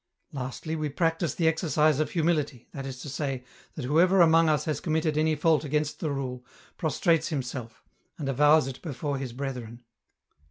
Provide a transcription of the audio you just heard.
Lastly, we practise the exercise of humility, that is to say, that whoever among us has committed any fault against the rule, prostrates himself^ and avows it before his brethren."